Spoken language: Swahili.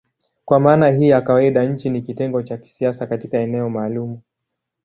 Kwa maana hii ya kawaida nchi ni kitengo cha kisiasa katika eneo maalumu.